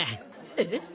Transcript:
えっ？